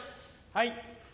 はい。